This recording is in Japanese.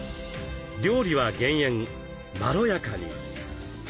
料理は減塩まろやかに。